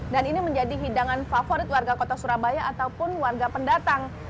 dan ini menjadi hidangan favorit warga kota surabaya ataupun warga pendatang